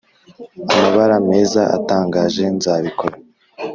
amabara meza atangaje, nzabikora